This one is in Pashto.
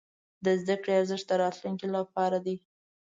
د زده کړې ارزښت د راتلونکي لپاره دی.